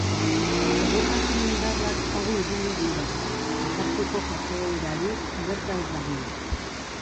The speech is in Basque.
Segurtasun indarrak adi ibili dira aparteko jazoerarik gerta ez dadin.